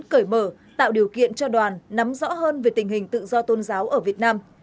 cởi mở tạo điều kiện cho đoàn nắm rõ hơn về tình hình tự do tôn giáo ở việt nam